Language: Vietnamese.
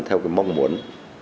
theo mong muốn